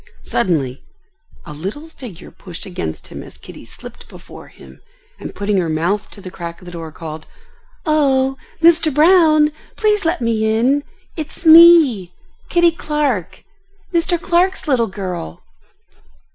Suddenly a little figure pushed against him as Kitty slipped before him, and putting her mouth to the crack of the door, called, "Oh! Mr. Brown, please let me in. It's me, Kitty Clark, Mr. Clark's little girl."